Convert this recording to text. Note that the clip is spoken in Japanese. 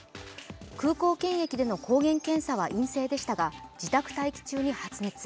空港検疫での抗原検査は陰性でしたが自宅待機中に発熱。